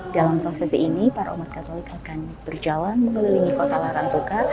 dalam proses ini para umat katolik akan berjalan mengelilingi kota larang tuka